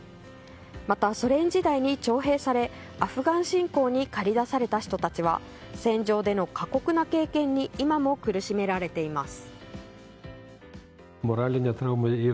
またソ連時代に徴兵されアフガン侵攻に駆り出された人たちは戦場での過酷な経験に今も苦しめられています。